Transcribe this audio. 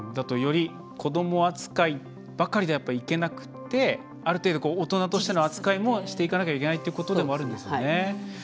より子ども扱いばかりではいけなくてある程度、大人としての扱いもしていかなきゃいけないってことでもあるんですよね。